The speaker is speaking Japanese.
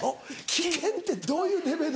危険ってどういうレベル？